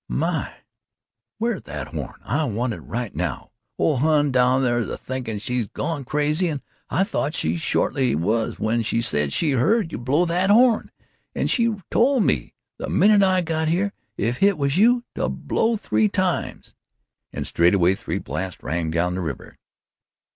"My where's that horn? I want it right now, Ole Hon down thar is a thinkin' she's gone crazy and I thought she shorely was when she said she heard you blow that horn. An' she tol' me the minute I got here, if hit was you to blow three times." And straightway three blasts rang down the river.